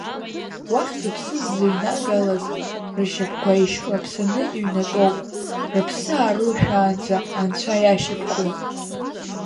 Уахь зыԥсы ззыҩнагалаз, ршьапқәа еишьклаԥсаны иҩнатәоуп, рыԥсы аарылышәшәаанӡа анцәа иашьапкуа.